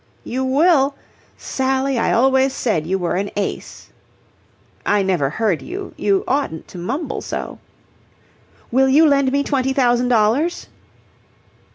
"You will? Sally, I always said you were an ace." "I never heard you. You oughtn't to mumble so." "Will you lend me twenty thousand dollars?"